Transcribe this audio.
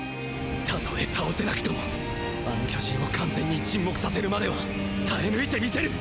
たとえ倒せなくともあの巨人を完全に沈黙させるまでは耐え抜いてみせる